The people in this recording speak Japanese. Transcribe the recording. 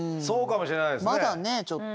うんまだねちょっと。